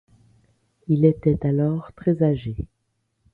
Il était alors très âgé.